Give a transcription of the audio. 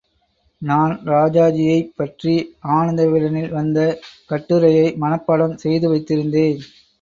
நான் ராஜாஜியைப் பற்றி ஆனந்தவிகடனில் வந்த கட்டுரையை மனப்பாடம் செய்து வைத்திருந்தேன்.